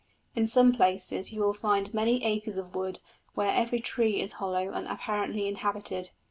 In some places you will find many acres of wood where every tree is hollow and apparently inhabited.